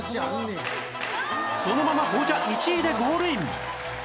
そのまま紅茶１位でゴールイン！